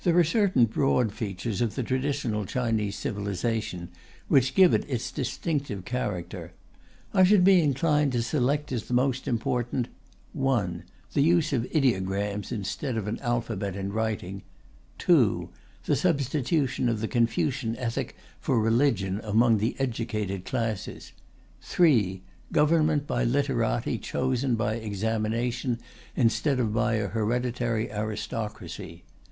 There are certain broad features of the traditional Chinese civilization which give it its distinctive character. I should be inclined to select as the most important: (1) The use of ideograms instead of an alphabet in writing; (2) The substitution of the Confucian ethic for religion among the educated classes; (3) government by literati chosen by examination instead of by a hereditary aristocracy.